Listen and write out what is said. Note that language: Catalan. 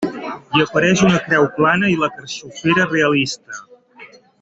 Hi apareix una creu plana i la carxofera realista.